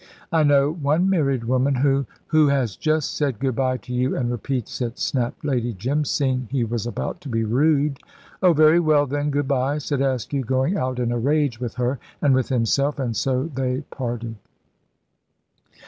"I know one married woman who " "Who has just said good bye to you, and repeats it," snapped Lady Jim, seeing he was about to be rude. "Oh, very well, then, good bye," said Askew, going out in a rage with her and with himself. And so they parted.